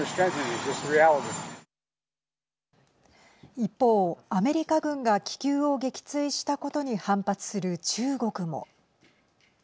一方アメリカ軍が気球を撃墜したことに反発する中国も。